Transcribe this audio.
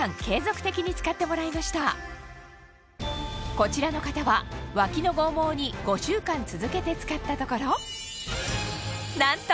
こちらの方はワキの剛毛に５週間続けて使ったところなんと！